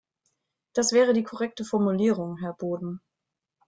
Das wäre die korrekte Formulierung, Herr Boden.